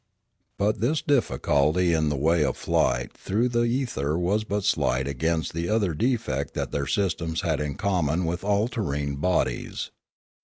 But this difficulty in the way of flight through the ether was but slight as against the other defect that their systems had in common with all terrene bodies.